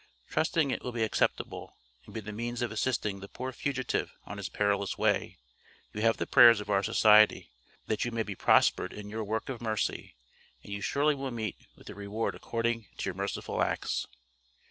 Trusting it will be acceptable, and be the means of assisting the poor fugitive on his perilous way, you have the prayers of our Society, that you may be prospered in your work of mercy, and you surely will meet with your reward according to your merciful acts.